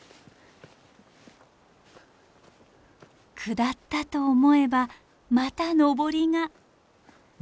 下ったと思えばまた登りが。